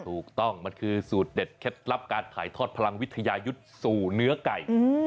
ถูกต้องมันคือสูตรเด็ดเคล็ดลับการถ่ายทอดพลังวิทยายุทธ์สู่เนื้อไก่